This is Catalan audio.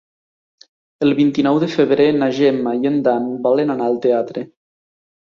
El vint-i-nou de febrer na Gemma i en Dan volen anar al teatre.